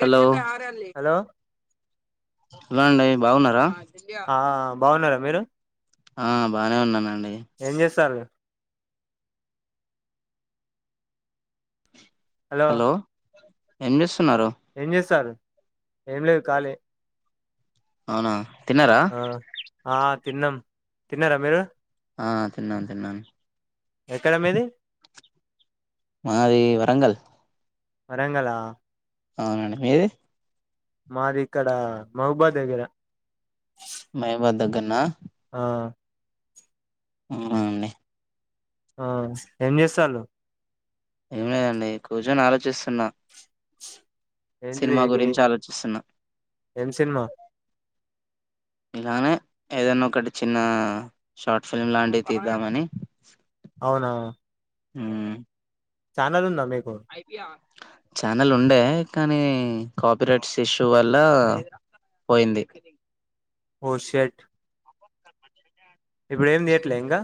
Hello hello hello అండి బాగున్నారా ఆ బాగున్నారా మీరు ఆ బానే ఉన్నం ఏం చేస్తార్రు మీరు హలో ఏం చే ఏం చేస్తారు ఏం లేదు ఖాళీ అవునా తిన్నారా ఆ ఆ తిన్నం తిన్నారా మీరు ఆ తిన్నాం తిన్నాను ఎక్కడ మీది? మాది వరంగల్ వరంగల్ ఆ? అవునండి, మీది? మాది ఇక్కడ మహబాద్ దగ్గర [inaudible] దగ్గర నా? ఆ అవునండి ఆ ఏం చేస్తాలు? ఏం లేదండి, కూర్చుని ఆలోచిస్తున్నా? ఏంటిది సినిమా ఇది గురించి ఆలోచిస్తున్నా. ఏం సినిమా ఇలానే, ఏదైనా, ఒకటి చిన్న షార్ట్ ఫిల్మ్ లాంటివి తీద్దామని. అవునవును హ్మ్ ఛానెల్ ఉంద [unintelligible] ఛానల్ ఉండే. కానీ, కాపీరైట్స్ ఇష్యూ వల్ల పోయింది ఓ షట్ ఇప్పుడు, ఏం చేయట్లే ఇంకా?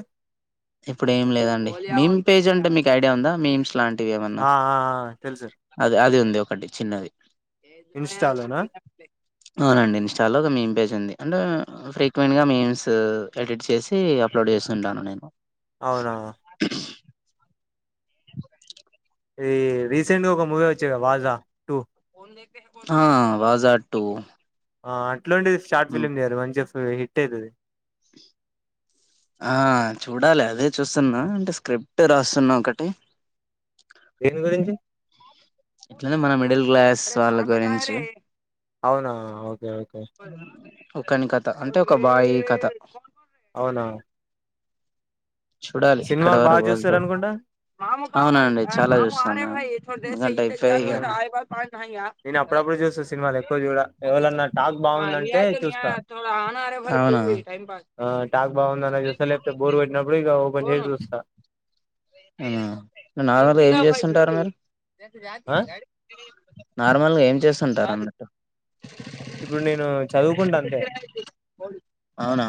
ఇప్పుడు ఏమి లేదండి. మీమ్ పేజ్ అంటే మీకు ఐడియా ఉందా మీమ్స్ లాం ఆ ఆ ఆ తెలుసు అది ఉంది ఒకటి చిన్నది. ఇన్స్టాలోనా అవునండి ఇన్స్టాలో ఒక మెమ్ పేజ్ ఉంది. అంటే ఫ్రీక్వెంట్ గా మీమ్స్ ఎడిట్ చేసి అప్ అప్లోడ్ చేస్తుంటాను నేను అవునా! ఇది, రీసెంట్ గా ఒక మూవీ వచ్చింది కదా వాజా టూ ఆ వాజా టూ ఆ అట్లాంటిది షార్ట్ ఫిలిమ్ తీయండి మంచిగా హిట్ ఐతది. ఆ చూడాలి అదే చూస్తున్నా అంటే స్క్రిప్ట్ రాస్తున్నా ఒకటి. దేని గురించి? ఇట్లానే మన మిడిల్ క్లాస్ వాళ్ళ గురించి. అవునా! ఓకే ఓకే ఒకని కథ. అంటే, ఒక బాయి కథ. అవునా! చూడాలి ఇక్కడ [inaudible] సినిమాలు వేల్. బాగా చూస్తారు అనుకుంటా అవునండి చాలా చూస్తాను. ఆ నేను అప్పుడప్పుడు చూస్తా సినిమాలు ఎక్కువ చూడ ఎవరన్నా టాక్ బాగుందంటే [unintelligible] చూస్తా [unintelligible] అవున ఆ టాక్ బాగుంద అ చస్తా లేప్తే బోరు కొట్టినప్పుడు ఇక ఓపెన్ చేసి చూస్తా [unintelligible] నార్మల్గా ఏం చేస్తుంటారా, మీరు? ఆ నార్మల్గా ఏం చేస్తుంటారు అన్నట్టు? ఇప్పుడు నేను చదువుకుంటా అంతే అవున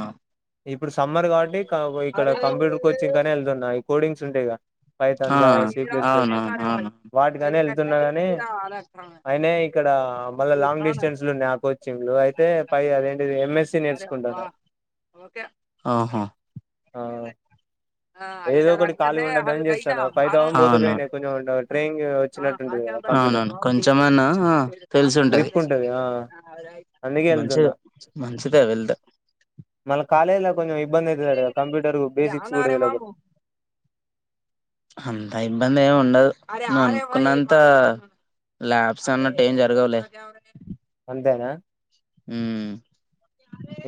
ఇప్పుడు సమ్మర్ కాబట్టి ఇక ఇక్కడ కంప్యూటర్ కోచింగ్ అని వెళ్తున్న. కోడింగ్స్ ఉంటాయిగ పైథాన్, ఆ జావా, సీ ప్లస్ ప్లస్ అవును అవును వాటికనే వెళ్తున్నా కాని, అయిన ఇక్కడ మళ్ళా లాంగ్ డిస్టెన్స్లు ఉన్నాయి ఆ కోచింగ్లు అయితే పై అదేంటిది ఎంఎస్సి నేర్చుకుంటున్న ఒకే ఆహా ఆ ఐస ఏదో ఒకటి రాతు ఖాళీగా ఉండద్దని హవిైస చేస్తాను ఫైవ్ థౌసండ్ పోతే పోయినాయి కొంచెం ట్రైనింగ్ వచ్చినట్టుంటది కదా కంప్యూటర్ అవునను కొంచెమ అన్నా తెలిసు ఉంటది గ్రిప్ ఆ అందుకే మంచిద వెళ్తున్నా మంచిదా వెళ్తే మళ్ కాలేజీలో కొంచెం ఇబ్బంది అవుతుందిడు కదా కంప్యూటర్ బేసిక్స్ కూడా తెలియక అంత ఇబ్బంది ఏమి ఉండదు నువ్వు అనుకున్నంత ల్యాబ్స్ అన్నట్టు ఏం జరగవులే అంతేనా హు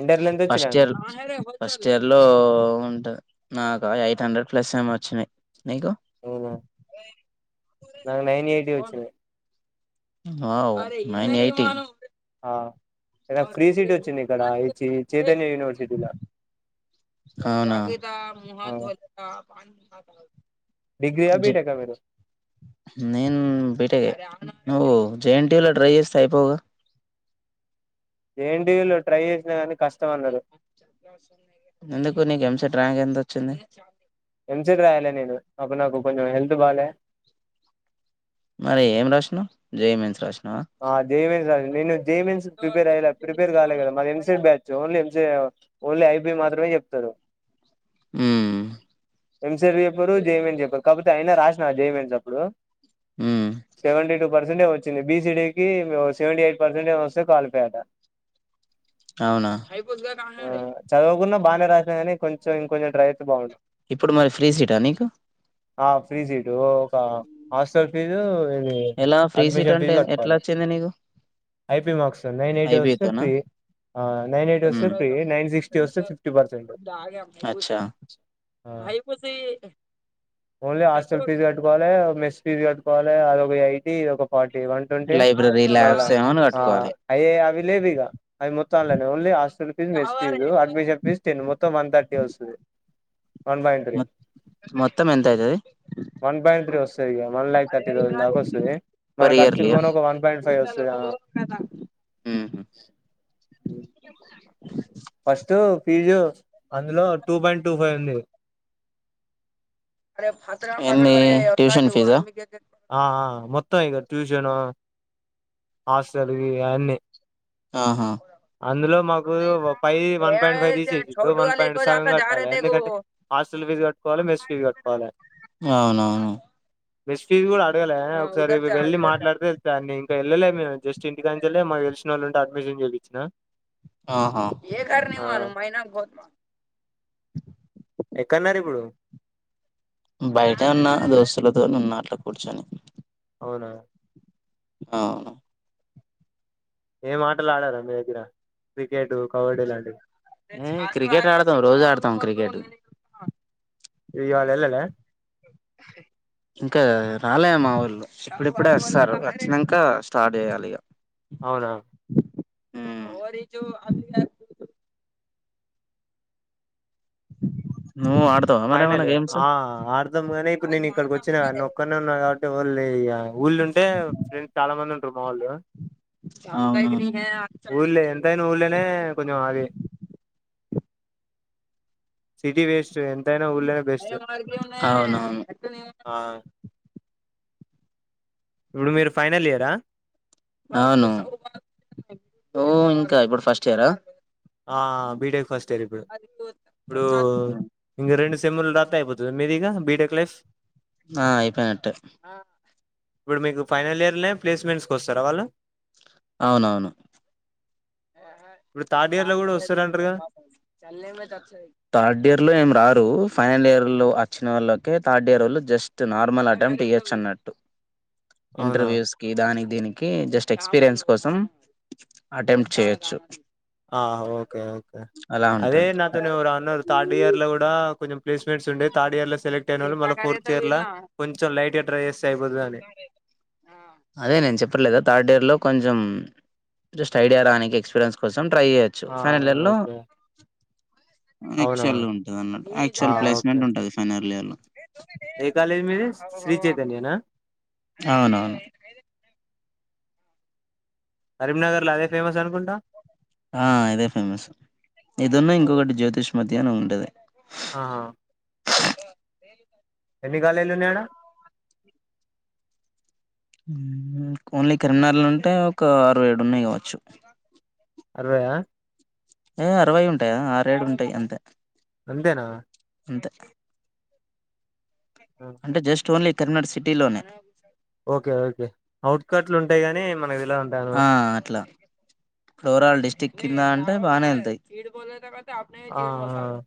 ఇంటర్లో ఎంత ఫస్ట్ వచ్చినాయి ఇయర్ ఫస్ట్ ఇయర్ లో ఉంటి నాగా ఎయిట్ హండ్రెడ్ ప్లస్ ఏమో వచ్చినాయి నీకు అవునా నాకు నైన్ ఎయిటీ వచ్చినాయి వావ్ నైన్ ఎయిటి ఇడ ఫ్రీ సీట్ వచ్చింది ఇక్కడ ఈ చైతన్య యూనివర్సిటీలో అవునా ఆ డిగ్రీయా జ బీటెకా మీరు నేన్ బీరీ నువ్వు జేఎన్టీలో డ్రై చేస్తే అయిపోగా జేఎన్టీలో ట్రై చేసినా కానీ కష్టం అన్నారు ఎందుకు నీకు ఎంసట్ ర్యాంక్ ఎంతొచ్చింది ఎంసట్ రాయలే నేను అప్పుడు నాకు కొంచెం హెల్త్ బాలే మరి ఏం రాసినవ్ జే ఈ మెయిన్స్ రాసిన ఆ జేమెన్స్ నేను జేమెన్స్ ప్రిపేర్ అయ్య ప్రిపేర్ కాలే కదా మా ఎంసేడ్ బ్యాచ్ ఓన్లీ ఎంస ఓన్లీ ఐపి మాత్రమే చెప్ ఉమ్ [unintelligible] చెప్పరు జే ఈ మెయిన్స్ చెప్పారు కాపోతే అయినా రాసిన అ జే ఈ మెయిన్స్ అప్పుడు ఉమ్ సెవెంటీ టూ పర్సెంటేమో వచ్చింది బిసిడి కి సెవెంటీ ఎయిట్ పర్సెంట్ ఏమో వస్తే క్వాలిఫై అట అవునా ఆ చదవకున్నా బాగనే రాసిన కాని కొంచెం ఇంకొంచెం డట్రై చేస్తే బాగుండదు ఇప్పుడు మరి ఫ్రీ సీటా నీకు ఆ ఫ్రీ సీటు ఒక హాస్టల్ ఫీజు ఇది ఎలా ఫ్రీ సీట్ అడ్మిషన్ ఫీజు అంటే ఎట్లా కట్టుకోవాలి వచ్చింది నీకు IP marks nine eighty IB వస్తే తోనా ఫ్రీ నైన్ ఎయిటి వస్తే ఫ్రీ నైన్ సిక్స్టీ వస్తే ఉమ్ ఫిఫ్టీ పర్సెంట్ అయిపోతయి ఓన్లీ హాస్టల్ ఫీజ కట్టుకోవాలి మెస్ ఫీజ్ కట్టుకో వలె అదొక ఎయిటీ ఇది ఒక ఫార్టీ వన్ ట్వంటీ లైబ్రరీ మళ్ళా ల్యాబ్స్ ఏమని ఆ కట్టుకోవాలి అయే అవి లేవు ఇక అవి మొత్తంనే ఓన్లీ హా fees mess fee admission fees ten మొత్తం వన్ థర్టీ వస్తది వన్ పాయింట్ త్రీ మొత్తం ఎంత అయితది వన్ పాయింట్ త్రీ వస్తది ఇక వన్ లాక్ థర్టీ థౌజండ్ దాకా వస్తది మన ఖర్చులు పోను ఒక వన్ పాయింట్ ఫైవ్ వస్తది ఆ ఉహు ఫస్ట్ ఫీజు అందులో టూ పాయింట్ టూ ఫైవ్ ఉంది ఏంది ట్యూషన్ ఫీజా ఆ మొత్తం ఇక ట్యూషను హాస్టల్కి అన్నీ ఆహా అందులో మాకు ఫైవ్ వన్ పాయింట్ ఫైవ్ తీసేసిండు వన్ పాయింట్ సగం గట్టాలె ఎందుకంటే హాస్టల్ ఫీజు గట్టుకోవాలె మెస్ ఫీజు గట్టుకోవాలే అవునవును మెస్ ఫీజ గూడ అడగలే ఒకసారి వె వెళ్ళి మాట్లాడితే తెల్తయ్ అన్ని ఇక ఎళ్ళలేే మేం జస్ట్ ఇంటికాంచలే మాకు తెల్సినోలుంటే అడ్మిషన్ జేపిచ్చినా ఆహా ఎక్కడున్నారు ఇప్పుడు బయట ఉన్న దోస్తులతోనున్న అట్ల కూర్చొని అవునా ఆవును ఏం ఆటలాడరా మీ దగ్గర క్రికెట్ కబడ్డీ లాంటివి ఉమ్ క్రికెట్ ఆడతాం రోజు ఆడతాం క్రికెట్ ఇయాలెళ్లలే ఇంకా రాలే మా ఇప్పుడిప్పుడే వస్తార్రు వచ్చినంక స్టార్ట్ చేయాలిగ అవునా ఉమ్ [inaudible] ఆడతావా మరేమన్నా ఫైనలే గేమ్స్ ఆ ఆడదం గని ఇప్పుడు నేనిక్కడికొచ్చిన గనోక్కడ్నే ఉన్న గాబట్ ఎవ్వళ్ళెరిగా ఊళ్ళుంటే ఫ్రెండ్స్ చాలా మంది ఉంటరు మా వాళ్ళు అవునా ఊళ్ళే ఎంతైన ఊల్లనే కొంచం అది సిటీ వేస్ట్ ఎంతయిన్ ఊళ్ళనే బెస్ట్ అవునవును ఆ ఇప్పుడు మీరు ఫైనల్ ఇయరా అవును నువ్వు ఇంక ఇప్పుడు ఫస్ట్ ఇయరా ఆ బీటెక్ ఫస్ట్ ఇయర్ ఇప్పుడు ఇప్పుడూ ఇంగ రెండు సెమ్ములు రాత్తె అయిపోతద్ మీదిగా బీటెక్ లైఫ్ ఆ అయిపోయినట్టే ఇప్పుడు మీకు ఫైనల్ ఇయర్ల్నే ప్లేస్మెంట్స్ కొస్తరా వాళ్ళు అవునవును ఇపుడ్ థార్డ్ థార్డ్ ఇయర్ లో ఏం రారు ఫైనల్ ఇయర్లో అచ్చిన వోళ్ళకే థర్డ్ ఇయర్ వోళ్ళు జస్ట్ నార్మల్ అటెంప్ట్ ఇయొచ్చన్నట్టు అవునా ఇంటర్వ్యూస్ కి దానికి దీనికి జస్ట్ ఎక్స్పీరియన్స్ కోసం అటెంప్ట్ చేయొచ్చు ఆ ఓకే ఓకే అలా అదే ఉంటది నాతోని ఎవరో అన్నరు థర్డ్ ఇయర్ లో గూడా కొంచెం ప్లేస్మెంట్స్ వుంటయ్ థార్డ్ ఇయర్లో సెలెక్ట్ అయినోళ్ళు మళ్ళ ఫోర్త్ ఇయర్ ల కొంచెం లైట్ గా ట్రై జేస్తే అయిపోతదని అదే నేను చెప్పలేదా థార్డ్ ఇయర్ లో కొంచెం జస్ట్ ఐడియా రానికి ఎక్స్పీరియన్స్ కోసం ట్రై జేయొచ్చు ఆ ఫైనల్ ఇయర్ లో ఓకే అవునా యాక్చువల్ ఉంటదన్నట్ ఆ యాక్చువల్ ఓకే ప్లేస్మెంట్ ఉంటంది ఫైనల్ ఇయర్లో ఏ కాలేజ్ మీది శ్రీచైతన్యనా అవునవును కరీంనగర్ ల అదే ఫేమస్ అనుకుంటా ఆ ఇదే ఫేమస్ ఇదున్ను ఇంకొకటి జ్యోతిష్మతి అని ఉంటది ఆహా [inaudible] ఎన్ని కాలేజ్ లు ఉన్నాయి ఆడ ఓన్లీ కిరనార్లు ఉంటే ఒక అరవై ఏడు ఉన్నాయి కావచ్చు అరవై ఆ అరవై ఉంటాయా ఆరేడు ఉంటాయి అంతే అంతే నా అంతే అంటే జస్ట్ ఓన్లీ [unintelligible] సిటీ లోనే ఓకే ఓకే అవుట్కట్లు ఉంటాయి గాని మన ఆ అట్ల ఒరాల్ డిస్టిక్ కింద అంటే బాగానే ఉంటయి అడ ఆ జీరు వతయి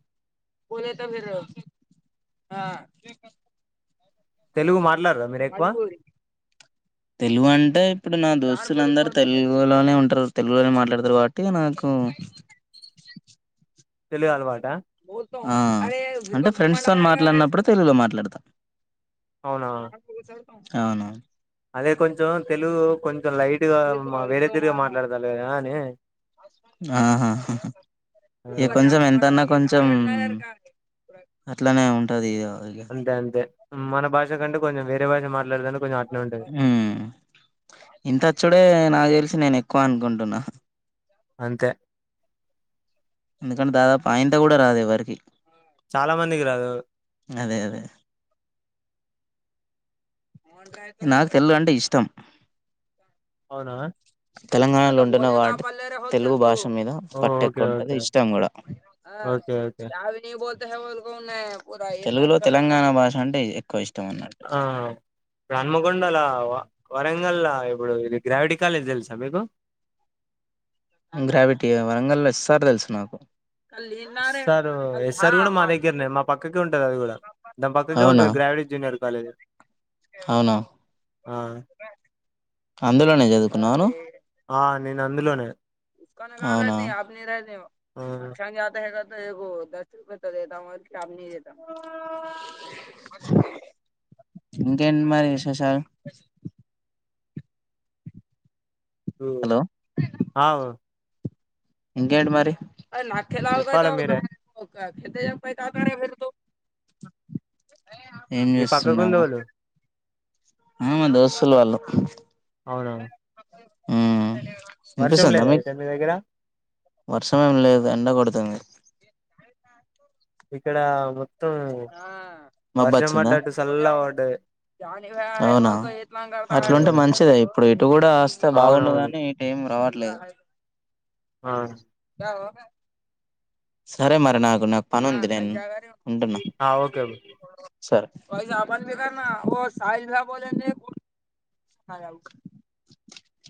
[inaudible] తెలుగు మా తెలుగు అంటే ఇప్పుడు నా దోస్తులందరూ తెలుగులోనే ఉంటారు తెలుగులోనే మాట్లాడతారు కాబట్టి నాకు తెలుగు అలవాట ఆ అంటే ఫ్రెండ్స్ తోని మాట్లాడినప్పుడు తెలుగులో మాట్లాడత అవునా అవునువును అదే కొంచెం తెలుగు కొం కొంచం లైట్గా వేరే తిరిగ మాట్లాడతారుగ అని ఆ ఇక కొంచెం ఎంతన్నా కొంచెం అట్లనే ఉంటది ఇగ అంతే అంతే మన భాష కంటే కొంచెం వేరే భాష మాట్లా [unintelligible] ఇంతచ్చుడే నాకు తెలిసి నేను [unintelligible] అనుకుంటున్న అంతే ఎందుకంటే దాదాపు ఆయంత కూడ రాదు ఎవరికి చాలా మందికి రాదు అదే అదే నాకు తెల్లు అంటే ఇష్టం అవునా తెలంగాణలో [unintelligible] తెలుగు భాష మీద ఓ పట్ట ఓకే ఎక్కువట వుంటుంది ఓకే ఇష్టం కూడ ఓకే ఓకే తెలుగులో తెలంగాణ భాష అంటే ఎక్కువ ఇష్ ఆ ఇప్పుడు హాన్మకొండలా వరంగల్లా ఇప్పుడు గ్రావిటి కాలేజ్ తెల్సా మీకు గ్రావిటీ వరంగల్లో సారు తెలుసు నాకు ఎస్ సారు ఎస్సార్ కూడ మా దగ్గరనే మా పక్కకే ఉంటంది అది కూడ దాని పక్కకే అవునా ఉంటంది గ్రావిటి జూనియర్ కాలేజ్ అవునా ఆ అందులోనే చదువుకున్నాను ఆ నేను అందులోనే ఆ [unintelligible] ఎగో దస్ [unintelligible] ఇంకేంటి మరి విశేషలు హలో ఆ ఇంకేంటి మరి చెప్పాలి మీరే ేతజ పై అతారే ఫరు ఏం మీ పక్కకుంది చేస్తున్నావు వాళ్ళు ఆ మా దోస్తులు వాళ్ళు అవున వినిపిస్తాందా మీకు అయితే మీ దగ్గర వర్షం ఏమి లేదు ఎండ కొడతాంది ఇక్కడా మొబ్బొచ్చిందా చల్లగా పడ్డది అవునా ఆ, అట్లాంటే మంచిదే ఇప్పుడు ఇటు కూడా వస్తే అవునవును బాగుండగాని ఎం రావట్ ట్లేదు ఆ సరే మరి నాకు నాకు పనుంది నేను ఉంటున్నా ఆ ఓకే సరే హారం క